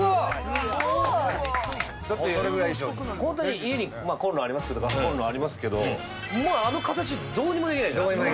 すごいだってホントに家にコンロありますけどガスコンロありますけどもうあの形どうにもできないじゃん